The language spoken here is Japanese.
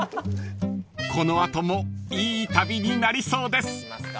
［この後もいい旅になりそうです］